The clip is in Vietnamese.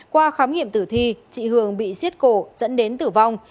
qua khám nghiệm tử thi chị hường bị xiết cổ dẫn đến tử vong